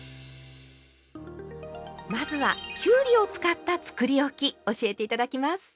まずはきゅうりを使ったつくりおき教えて頂きます。